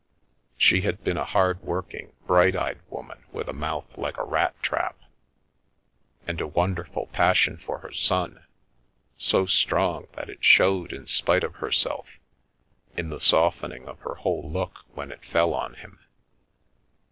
She had been a hard working, bright eyed woman with a mouth like a rat trap, and a wonderful passion for her son, so strong that it showed, in spite of herself, in the softening of her whole look when it fell on him.